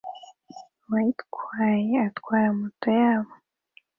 Uwayitwaye atwara moto yabo